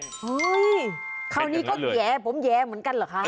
เฮ้ยคราวนี้ก็แย้ผมแย้เหมือนกันเหรอคะ